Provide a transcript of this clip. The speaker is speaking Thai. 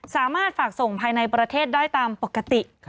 สามารถฝากส่งภายในประเทศได้ตามปกติ